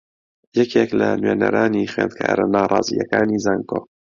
یەکێک لە نوێنەرانی خوێندکارە ناڕازییەکانی زانکۆ